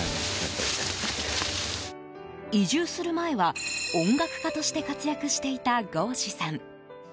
移住する前は音楽家として活躍していた剛志さん。